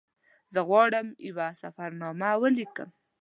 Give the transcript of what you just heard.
زه غواړم یوه سفرنامه ولیکم.